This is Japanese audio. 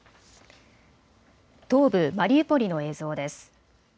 東部マリウポリの映像です。